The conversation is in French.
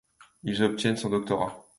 Il y obtient son doctorat.